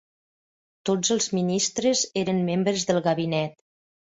Tots els ministres eren membres del gabinet.